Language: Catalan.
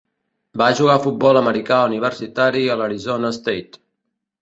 Va jugar futbol americà universitari a l'Arizona State.